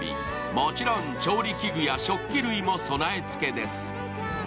もちろん調理器具や食器類も備え付けです。